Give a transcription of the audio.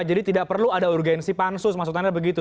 jadi tidak perlu ada urgensi pansus maksud anda begitu